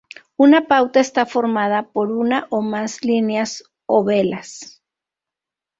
Una pauta está formada por una o más líneas o velas.